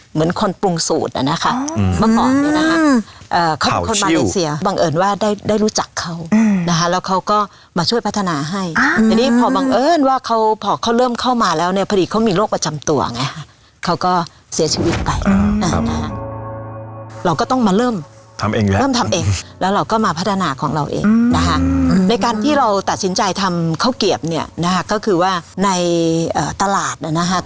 เหมือนคนปรุงสูตรอะนะคะเมื่อก่อนเนี่ยนะคะเขาเป็นคนมาเลเซียบังเอิญว่าได้ได้รู้จักเขานะคะแล้วเขาก็มาช่วยพัฒนาให้ทีนี้พอบังเอิญว่าเขาพอเขาเริ่มเข้ามาแล้วเนี่ยพอดีเขามีโรคประจำตัวไงเขาก็เสียชีวิตไปนะฮะเราก็ต้องมาเริ่มทำเองแล้วเริ่มทำเองแล้วเราก็มาพัฒนาของเราเองนะคะในการที่เราตัดสินใจทำข้าวเกียบเนี่ยนะคะก็คือว่าในตลาดน่ะนะคะ